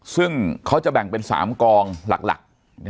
ซึ่งเขาจะแบ่งเป็น๓กองหลัก